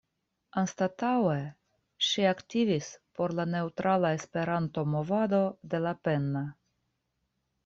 Anstataŭe ŝi aktivis por la "Neŭtrala Esperanto-Movado" de Lapenna.